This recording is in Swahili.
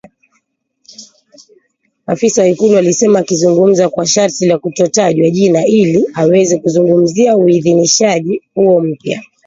afisa wa Ikulu alisema akizungumza kwa sharti la kutotajwa jina ili aweze kuzungumzia uidhinishaji huo mpya